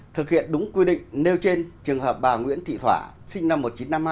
thực hiện đúng quy định nêu trên trường hợp bà nguyễn thị thỏa sinh năm một nghìn chín trăm năm mươi hai